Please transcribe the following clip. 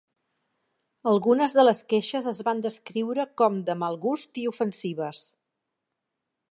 Algunes de les queixes es van descriure com "de mal gust i ofensives".